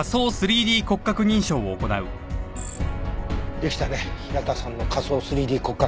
出来たね平田さんの仮想３Ｄ骨格。